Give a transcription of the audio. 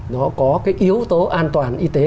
nó có cái yếu tố an toàn y tế